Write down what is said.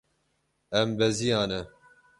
Em beziyane.